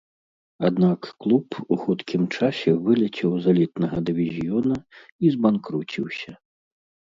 Аднак клуб у хуткім часе вылецеў з элітнага дывізіёна і збанкруціўся.